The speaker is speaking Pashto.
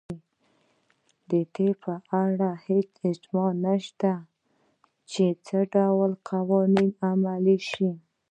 په دې اړه هېڅ اجماع نشته چې څه ډول قوانین عملي شي.